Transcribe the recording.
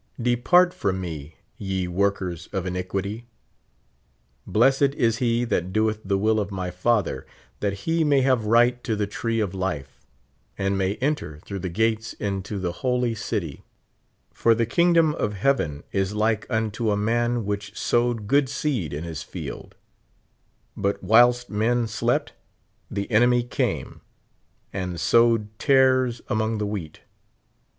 Depart from me, yt workers of iniquity. Blessed is he that doeth the wil of my Father, that he may have right to the tree of lite and may enter through the gates into the holy city ; fo the kinordom of heaven is like unto a maw which sowe( (Tood seed in his field ; but whilst men slept the enem: came, and sowed tares among the wheat.